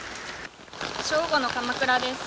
正午の鎌倉です。